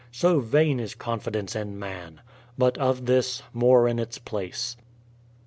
So vain is confidence in man! But of this, more in its place.